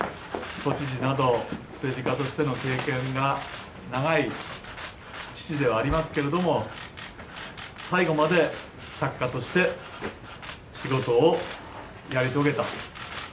都知事など政治家としての経験が長い父ではありますけれども最後まで作家として仕事をやり遂げた。